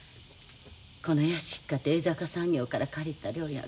この屋敷かて江坂産業から借りた寮や。